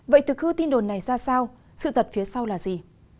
vậy từ khu tin đồn này ra sao sự tật phía sau là gì